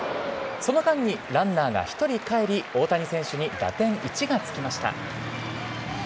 その間にランナーが１人かえり大谷選手に打点１がつきました。